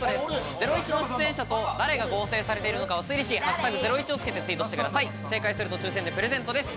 『ゼロイチ』の出演者と誰が合成されているのかを推理し、「＃ゼロイチ」をつけてツイートしてください、正解すると抽選でプレゼントです。